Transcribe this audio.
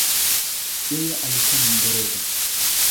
Yeye alikuwa Mwingereza.